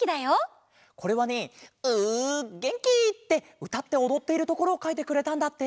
これはね「ＷＯＯＯＯＯげんき！」ってうたっておどっているところをかいてくれたんだって。